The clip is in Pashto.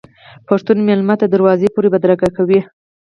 پښتون میلمه تر دروازې پورې بدرګه کوي.